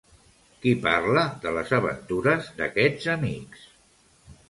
Qui parla de les aventures d'aquests amics?